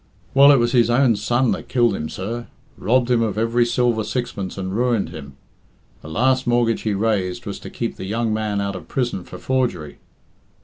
Well, it was his own son that killed him, sir; robbed him of every silver sixpence and ruined him. The last mortgage he raised was to keep the young man out of prison for forgery.